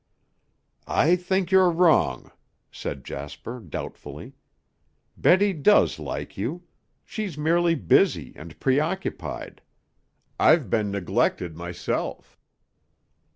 "I think you're wrong," said Jasper doubtfully. "Betty does like you. She's merely busy and preoccupied. I've been neglected myself."